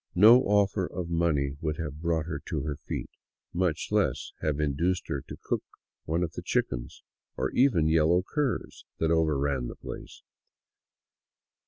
No offer of money would have brought her to her feet, much less have induced her to cook one of the chickens — or even yellow curs — that overran the place.